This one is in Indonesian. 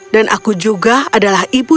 dan aku juga adalah ibu